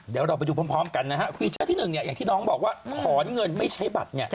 เดี๋ยวเราไปดูพร้อมกันนะฮะฟีเจอร์ที่๑อย่างที่น้องบอกว่าถอนเงินไม่ใช้บัตร